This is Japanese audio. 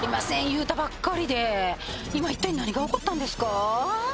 言うたばっかりで今一体何が起こったんですか？